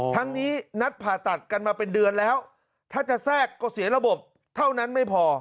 ทั้งนี้นัดผ่าตัดกันมาเป็นเดือนแล้วถ้าจะแทรกก็เสียระบบเท่านั้นไม่พอ